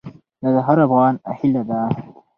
دا د هر افغان هیله ده.